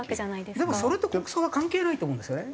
でもそれと国葬は関係ないと思うんですよね。